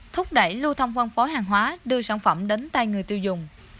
thúc đẩy lưu thông phân phối hàng hóa đưa sản phẩm đến tay người tiêu dùng